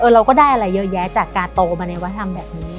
เราก็ได้อะไรเยอะแยะจากกาโตมาในวัฒนธรรมแบบนี้